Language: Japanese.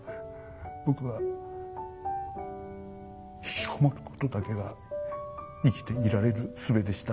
僕はひきこもることだけが生きていられるすべでした。